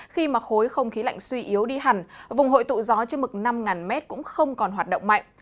khi mà khối không khí lạnh suy yếu đi hẳn vùng hội tụ gió trên mực năm m cũng không còn hoạt động mạnh